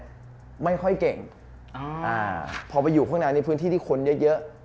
พอมาอยู่ข้างน้าที่ทำงานในพื้นที่ที่คุ้นมาเยอะ